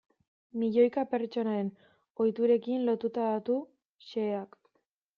Milioika pertsonaren ohiturekin lotutako datu xeheak.